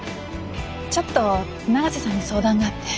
ちょっと永瀬さんに相談があって。